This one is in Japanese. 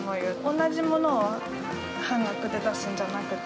同じものを半額で出すんじゃなくて。